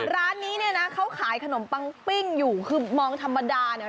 ร้านนี้เนี่ยนะเขาขายขนมปังปิ้งอยู่คือมองธรรมดาเนี่ย